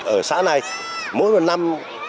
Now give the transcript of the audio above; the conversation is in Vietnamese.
ở xã này mỗi một năm